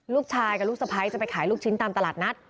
ลูกชายกับลูกสะพ้ายจะไปขายลูกชิ้นตามตลาดนัด